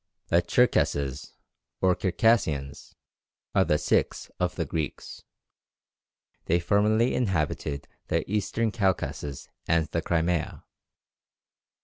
The Tcherkesses, or Circassians, are the Sykhes of the Greeks. They formerly inhabited the eastern Caucasus and the Crimea.